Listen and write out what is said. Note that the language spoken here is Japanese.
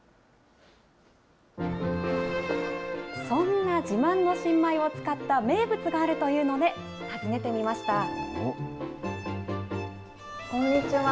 そんな自慢の新米を使った名物があるというので、訪ねてみました。